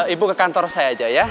ibu ke kantor saya aja ya